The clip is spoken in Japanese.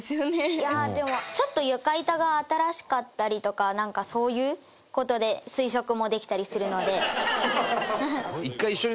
いやでもちょっと床板が新しかったりとかなんかそういう事で推測もできたりするので。